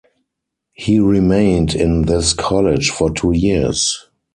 He remained in this college for two years.